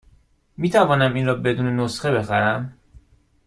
می توانم این را بدون نسخه بخرم؟